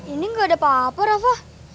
ini gak ada apa apa rafa